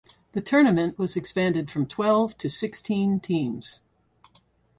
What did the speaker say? The tournament was expanded from twelve to sixteen teams.